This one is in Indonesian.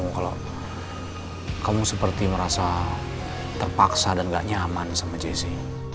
kamu kalau kamu seperti merasa terpaksa dan nggak nyaman sama jessi